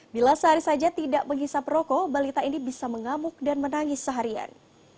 bila sehari saja tidak menghisap rokok balita ini bisa mengamuk dan menangis seharian